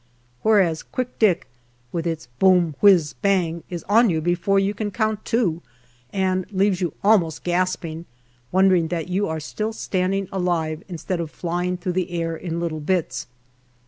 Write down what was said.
Whereas " Quick Dick," with its boom whizz bang, is on you before you can count two, and leaves you almost gasping, wondering that you are still standing alive instead of flying through the air in little bits.